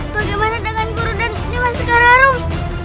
bagaimana dengan guru dan dewan sekarang